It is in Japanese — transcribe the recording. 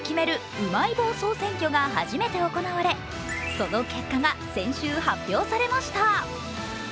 うまい棒総選挙が初めて行われ、その結果が先週発表されました。